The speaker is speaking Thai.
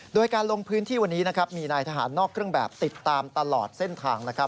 โดยการลงพื้นที่วันนี้นะครับมีนายทหารนอกเครื่องแบบติดตามตลอดเส้นทางนะครับ